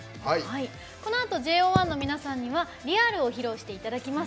このあとＪＯ１の皆さんには「ＲＥＡＬ」を披露していただきます。